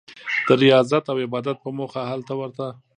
د ریاضت او عبادت په موخه هلته ورته.